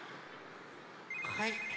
はい。